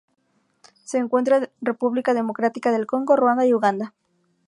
Se encuentra en República Democrática del Congo, Ruanda, y Uganda.